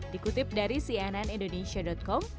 dikutip dari cnnindonesia com